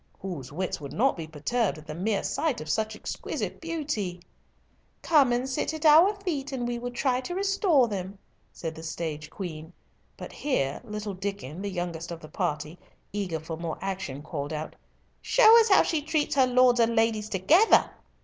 "Whose wits would not be perturbed at the mere sight of such exquisite beauty?" "Come and sit at our feet, and we will try to restore them," said the stage queen; but here little Diccon, the youngest of the party, eager for more action, called out, "Show us how she treats her lords and ladies together."